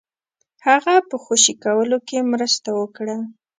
هغه په خوشي کولو کې مرسته وکړي.